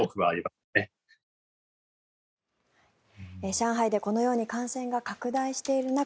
上海でこのように感染が拡大している中